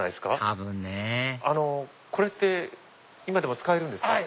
多分ねこれって今でも使えるんですか？